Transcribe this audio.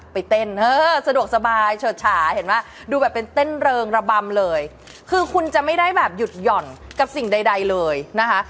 ไปเต้นเออสะดวกสบายเฉิดฉาเห็นไหมดูแบบเป็นเต้นเริงระบำเลยคือคุณจะไม่ได้แบบหยุดหย่อนกับสิ่งใดเลยนะคะ